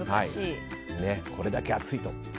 これだけ暑いと。